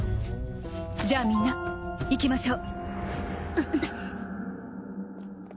じゃあみんな行きましょう。